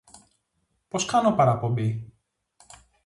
Πώς κάνω παραπομπή;